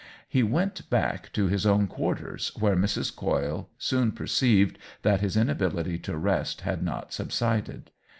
He went back to his own quarters, where Mrs. Coyle soon per ceived that his inability to rest had not subsided.